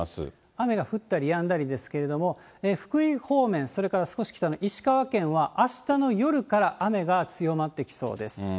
雨が降ったりやんだりですけども、福井方面、それから少し北の石川県は、あしたの夜から雨が強まってきそうです。